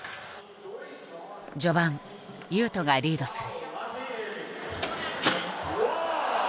序盤雄斗がリードする。